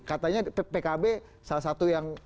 katanya pkb salah satu yang